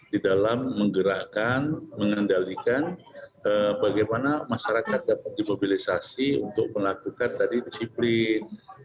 di dalam menggerakkan mengendalikan bagaimana masyarakat dapat dimobilisasi untuk melakukan tadi disiplin